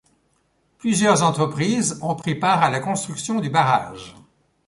Plusieurs entreprises ont pris part à la construction du barrage.